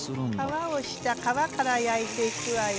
皮を下皮から焼いていくわよ。